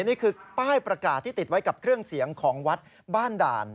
นี่คือป้ายประกาศที่ติดไว้กับเครื่องเสียงของวัดบ้านด่าน